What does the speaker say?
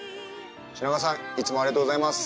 品川さんいつもありがとうございます。